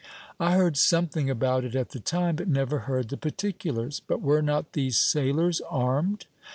"I heard something about it at the time, but never heard the particulars. But were not these sailors armed?"